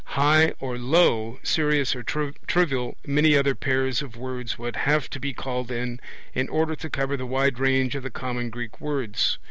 High or low, serious or trivial, many other pairs of words would have to be called in, in order to cover the wide range of the common Greek words.